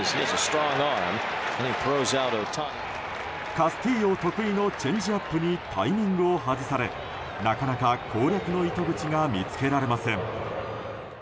カスティーヨ得意のチェンジアップにタイミングを外されなかなか攻略の糸口が見つけられません。